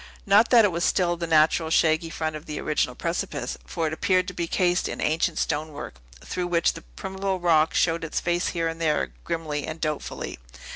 Not that it was still the natural, shaggy front of the original precipice; for it appeared to be cased in ancient stonework, through which the primeval rock showed its face here and there grimly and doubtfully.